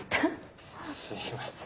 すいません。